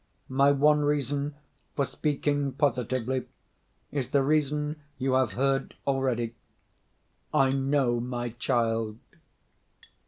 My one reason for speaking positively, is the reason you have heard already. I know my child."